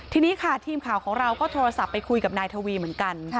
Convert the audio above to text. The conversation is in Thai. ทีนี้ค่ะทีมข่าวของเราก็โทรศัพท์ไปคุยกับนายทวีเหมือนกัน